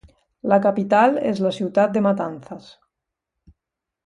La capital és la ciutat de Matanzas.